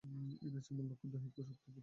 এই নাচের মূল লক্ষ্য দৈহিক শক্তির প্রদর্শন।